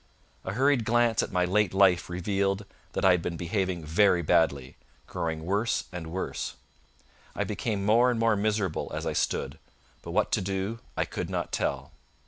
A hurried glance at my late life revealed that I had been behaving very badly, growing worse and worse. I became more and more miserable as I stood, but what to do I could not tell.